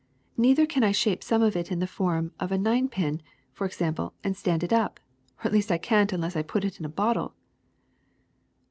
Neither can I shape some of it in the form of a nine pin, for example, and stand it up; or at least I can't unless I put it in a bottle."